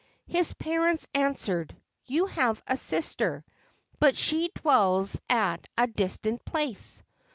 " His parents answered, "You have a sister, but she dwells at a distant place."